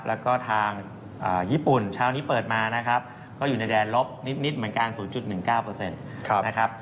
แล้วก็ทางญี่ปุ่นเช้านี้เปิดมานะครับก็อยู่ในแดนลบนิดเหมือนกัน๐๑๙นะครับ